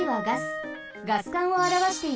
ガス管をあらわしています。